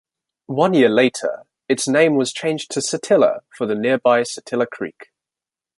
One year later, its name was changed to Satilla for the nearby Satilla Creek.